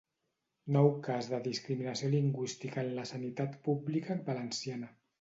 Nou cas de discriminació lingüística en la sanitat pública valenciana.